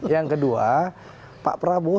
yang kedua pak prabowo